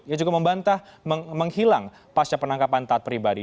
ia juga membantah menghilang pasca penangkapan taat pribadi